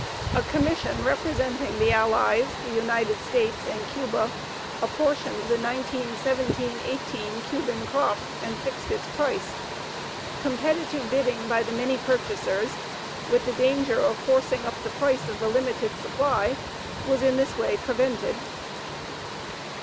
A commission representing the Allies, the United States, and Cuba apportioned the 1917 18 Cuban crop and fixed its price. Competitive bidding by the many purchasers, with the danger of forcing up the price of the limited supply, was in this way prevented.